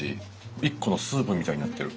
一個のスープみたいになってる。